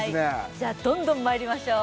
じゃあどんどんまいりましょう